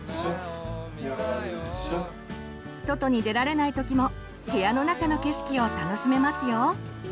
外に出られない時も部屋の中の景色を楽しめますよ。